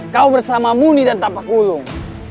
kau bersama muni dan tapakulung